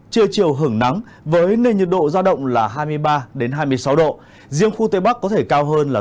trưa chiều hưởng nắng với nền nhiệt độ giao động là hai mươi ba hai mươi sáu độ riêng khu tây bắc có thể cao hơn là